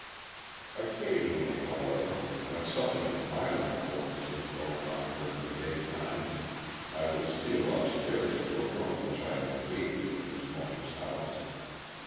Occasionally, however, when something of minor importance was going on during the daytime, I would steal upstairs to a room which I had engaged in this woman's house.